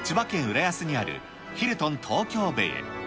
浦安にあるヒルトン東京ベイへ。